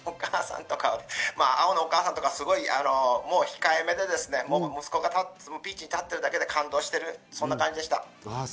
碧のお母さんとか、すごい控え目で息子がピッチに立っているだけで感動している、そんな感じでした。